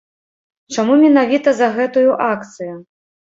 Чаму менавіта за гэтую акцыю?